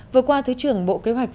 vừa qua thứ trưởng bộ kế hoạch văn hóa